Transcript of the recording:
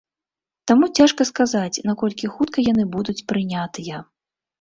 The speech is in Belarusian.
Таму цяжка сказаць, наколькі хутка яны будуць прынятыя.